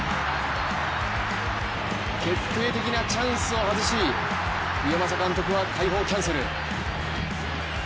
決定的なチャンスを外し岩政監督は解放キャンセル。